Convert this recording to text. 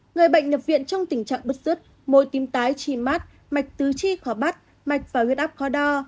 người bệnh nhập viện trong tình trạng bứt rứt môi tim tái chi mát mạch tứ chi khó bắt mạch và huyết áp khó đo